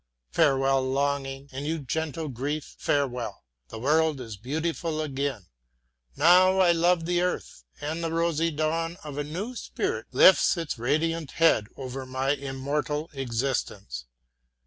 Farewell, Longing, and thou, gentle Grief, farewell; the world is beautiful again. Now I love the earth, and the rosy dawn of a new spring lifts its radiant head over my immortal existence.